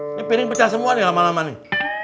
ini piring pecah semua nih lama lama nih